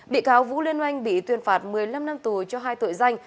bị cáo vũ liên oanh bị tuyên phạt một mươi năm năm tù cho hai tội danh